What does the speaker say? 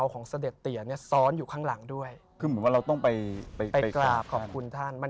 มนุษย์น่ะที่บางอย่างมันติดขัด